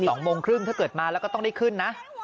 สองโมงครึ่งถ้าเกิดมาแล้วก็ต้องได้ขึ้นนะ